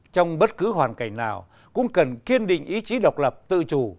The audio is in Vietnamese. trong bất cứ hoàn cảnh nào cũng cần kiên định ý chí độc lập tự chủ